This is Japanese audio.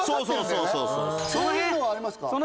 そういうのはありますか？